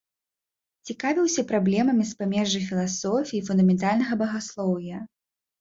Цікавіўся праблемамі з памежжа філасофіі і фундаментальнага багаслоўя.